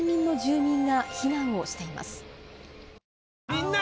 みんな！